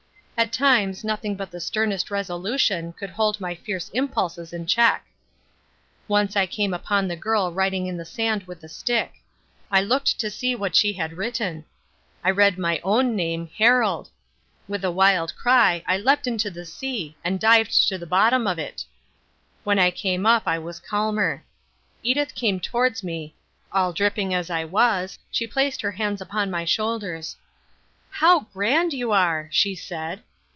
At times nothing but the sternest resolution could hold my fierce impulses in check. Once I came upon the girl writing in the sand with a stick. I looked to see what she had written. I read my own name "Harold." With a wild cry I leapt into the sea and dived to the bottom of it. When I came up I was calmer. Edith came towards me; all dripping as I was, she placed her hands upon my shoulders. "How grand you are!" she said.